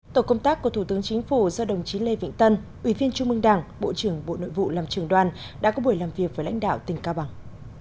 tổ công tác của thủ tướng chính phủ do đồng chí lê vĩnh tân ủy viên trung mương đảng bộ trưởng bộ nội vụ làm trường đoàn đã có buổi làm việc với lãnh đạo tỉnh cao bằng